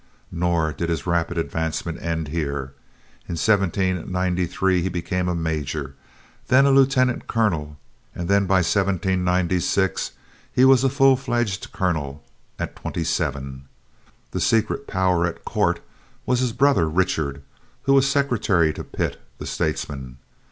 Nor did his rapid advancement end here. In 1793 he became a major, then a lieutenant colonel; and by 1796 he was a full fledged colonel at twenty seven! The secret "power at court" was his brother Richard, who was a secretary to Pitt, the statesman.